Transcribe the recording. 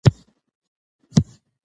رښتیا بې لارۍ کموي.